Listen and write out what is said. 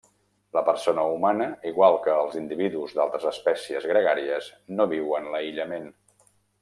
La persona humana, igual que els individus d'altres espècies gregàries, no viu en l'aïllament.